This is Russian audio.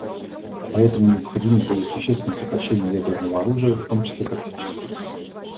Поэтому необходимы более существенные сокращения ядерного оружия, в том числе тактического.